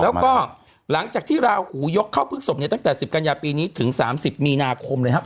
แล้วก็หลังจากที่ลาหูยกเข้าพฤษสมตั้งแต่สิบกัญญาปีนี้ถึง๓๐มีนาคมเลยครับ